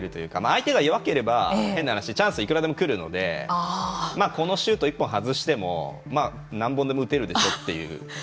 相手が弱ければ、変な話チャンスがいくらでも来るのでこのシュート１本外してもまあ何本でも打てるでしょうという。